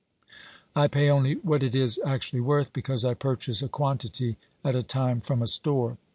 I pay only what it is actually worth, because I purchase a quantity at a time from a store.